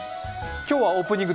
今日はオープニング